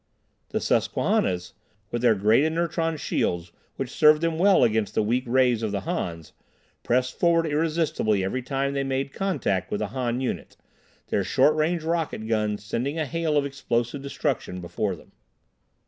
The Susquannas, with their great inertron shields, which served them well against the weak rays of the Hans, pressed forward irresistibly every time they made a contact with a Han unit, their short range rocket guns sending a hail of explosive destruction before them.